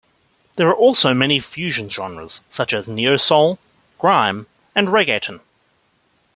There are also many fusion genres such as Neo soul, Grime, and Reggaeton.